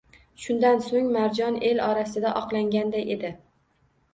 Shundan so‘ng Marjon el orasida oqlanganday edi